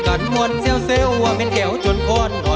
เธอไม่รู้ว่าเธอไม่รู้